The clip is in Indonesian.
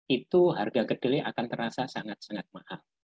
itu harga kedelai akan terasa sangat sangat mahal